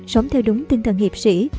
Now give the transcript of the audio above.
sống theo đúng tinh thần hiệp sĩ